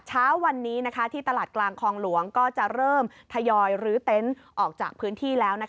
เช้าวันนี้ที่ตลาดกลางคลองหลวงก็จะเริ่มทยอยรื้อเต็นต์ออกจากพื้นที่แล้ว